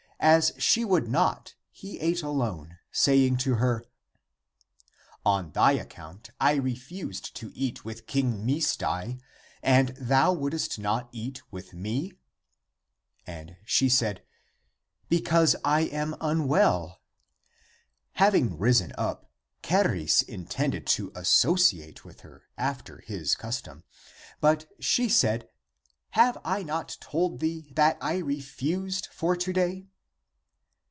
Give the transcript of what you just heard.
As she would not, he ate alone, saying to her, " On thy account I re fused to eat with King Misdai, and thou wouldst not eat with me? " And she said, " Because I am 300 THE APOCRYPHAL ACTS unwell." Having risen up, Charis intended to as sociate with her after his custom. But she said, " Have I not told thee, that I refused for to day?